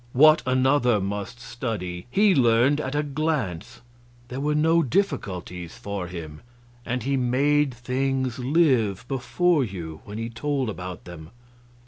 What another must study, he learned at a glance; there were no difficulties for him. And he made things live before you when he told about them.